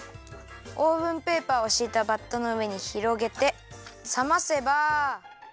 オーブンペーパーをしいたバットのうえにひろげてさませば。